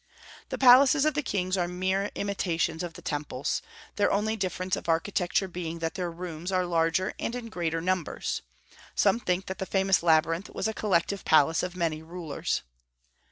The palaces of the kings are mere imitations of the temples, their only difference of architecture being that their rooms are larger and in greater numbers. Some think that the famous labyrinth was a collective palace of many rulers.